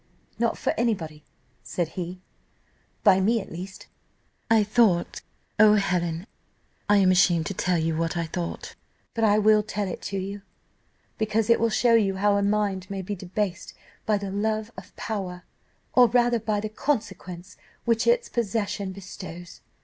'Not for anybody,' said he 'by me, at least.' I thought Helen, I am ashamed to tell you what I thought; but I will tell it you, because it will show you how a mind may be debased by the love of power, or rather by the consequence which its possession bestows.